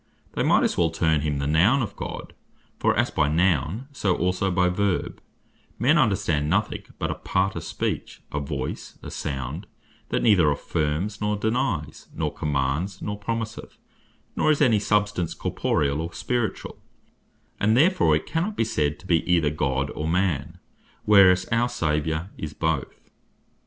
They might as well term him the Nown of God: for as by Nown, so also by Verbe, men understand nothing but a part of speech, a voice, a sound, that neither affirms, nor denies, nor commands, nor promiseth, nor is any substance corporeall, or spirituall; and therefore it cannot be said to bee either God, or Man; whereas our Saviour is both.